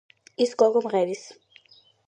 ის გოგო მღერის